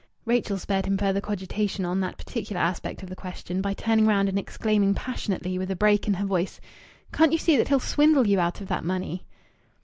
Rachel spared him further cogitation on that particular aspect of the question by turning round and exclaiming, passionately, with a break in her voice "Can't you see that he'll swindle you out of the money?"